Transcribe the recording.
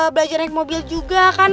belajar naik mobil juga kan